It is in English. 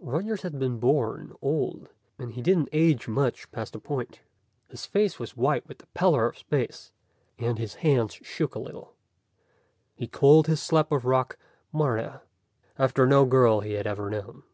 Rogers had been born old, and he didn't age much past a point. His face was white with the pallor of space, and his hands shook a little. He called his slab of rock Martha, after no girl he had ever known.